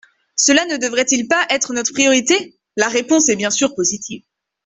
Cela ne devrait-il pas être notre priorité ? La réponse est bien sûr positive.